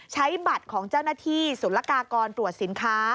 ใช้บัตรของเจ้าหน้าที่ศูนย์ละกากรตรวจสินค้า